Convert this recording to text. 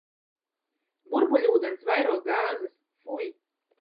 Burbuļūdens vairo gāzes, fuj!